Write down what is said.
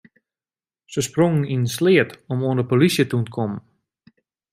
Se sprongen yn in sleat om oan de polysje te ûntkommen.